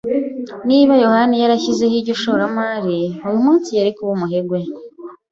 Niba yohani yarashizeho iryo shoramari, uyu munsi yari kuba umuherwe.